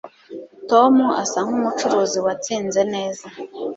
Tom asa nkumucuruzi watsinze neza.